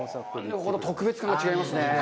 特別感が違いますね。